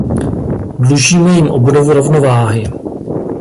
Dlužíme jim obnovu rovnováhy.